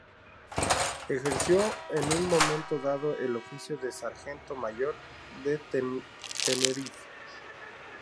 Ejerció en un momento dado el oficio de sargento mayor de Tenerife.